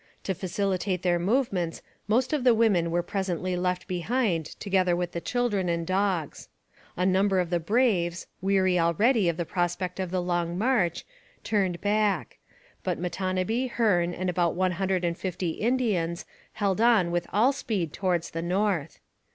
To facilitate their movements most of the women were presently left behind together with the children and dogs. A number of the braves, weary already of the prospect of the long march, turned back, but Matonabbee, Hearne, and about one hundred and fifty Indians held on with all speed towards the north.